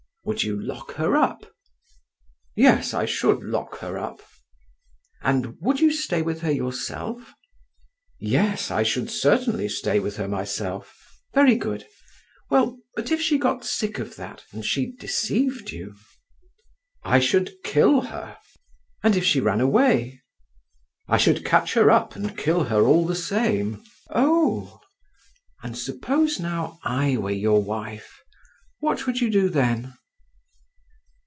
Would you lock her up?" "Yes, I should lock her up." "And would you stay with her yourself?" "Yes, I should certainly stay with her myself." "Very good. Well, but if she got sick of that, and she deceived you?" "I should kill her." "And if she ran away?" "I should catch her up and kill her all the same." "Oh. And suppose now I were your wife, what would you do then?"